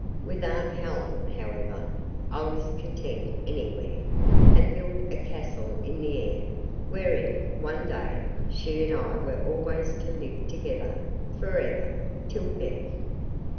With aunt Helen, however, I was content anywhere, and built a castle in the air, wherein one day she and I were always to live together for ever! Till death!